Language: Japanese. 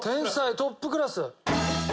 トップクラス。